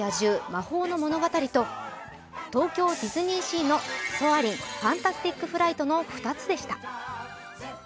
“魔法のものがたり”と、東京ディズニーシーのソアリン：ファンタスティック・フライトの２つでした。